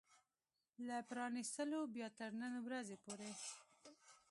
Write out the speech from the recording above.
له پرانيستلو بيا تر نن ورځې پورې